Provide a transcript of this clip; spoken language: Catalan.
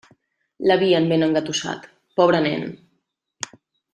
L'havien ben engatussat, pobre nen.